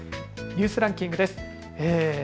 ニュースランキングです。